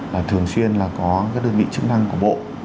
là thường xuyên là có các đơn vị chức năng của bộ